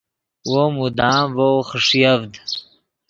وو مدام ڤؤ خݰیڤد